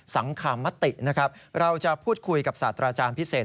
สังคามติเราจะพูดคุยกับศาตราอาจารย์พิเศษ